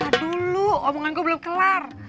aduh lo omongan gue belum kelar